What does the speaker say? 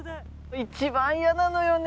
一番イヤなのよね。